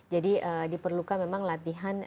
jadi diperlukan memang latihan